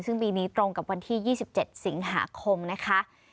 ซึ่งปีนี้ตรงกับวันที่๒๗สิงหาคมนะคะ